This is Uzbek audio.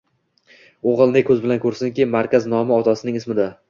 Oʻgʻil ne koʻz bilan koʻrsinki, markaz nomi otasining ismida.